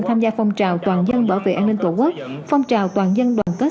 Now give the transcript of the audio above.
tham gia phong trào toàn dân bảo vệ an ninh tổ quốc phong trào toàn dân đoàn kết